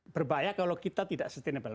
berbahaya kalau kita tidak sustainable